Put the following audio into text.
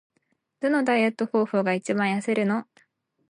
どのダイエット方法が一番痩せるの？